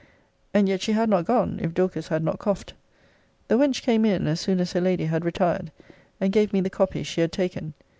And yet she had not gone, if Dorcas had not coughed. The wench came in, as soon as her lady had retired, and gave me the copy she had taken.